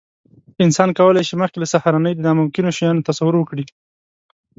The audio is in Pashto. انسان کولی شي، مخکې له سهارنۍ د ناممکنو شیانو تصور وکړي.